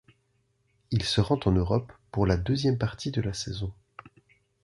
Il se rend en Europe pour la deuxième partie de la saison.